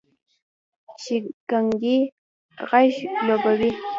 شینککۍ غیږ لوبوې،